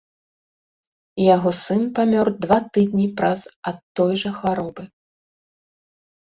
Яго сын памёр два тыдні праз ад той жа хваробы.